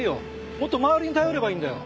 もっと周りに頼ればいいんだよ。